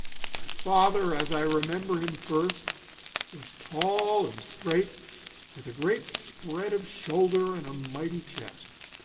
My father, as I remember him first, was tall and straight, with a great spread of shoulder and a mighty chest.